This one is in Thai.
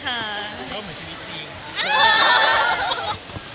เพราะว่ามีชีวิตจริง